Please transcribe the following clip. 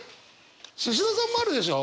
シシドさんもあるでしょ？